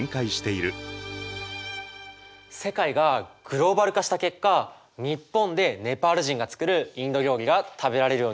世界がグローバル化した結果日本でネパール人が作るインド料理が食べられるようになったんだね。